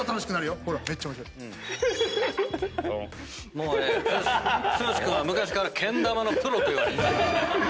もうね剛君は昔からけん玉のプロといわれてたからね。